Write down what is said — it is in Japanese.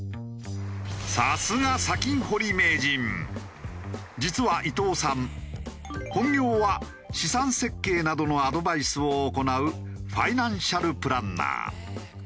さすが実は伊藤さん本業は資産設計などのアドバイスを行うファイナンシャル・プランナー。